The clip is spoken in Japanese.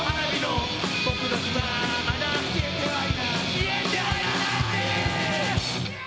消えてはいないぜー！